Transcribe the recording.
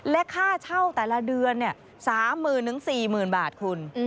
และค่าเช่าแต่ละเดือนสามหมื่นถึงสี่หมื่นบาทคุณ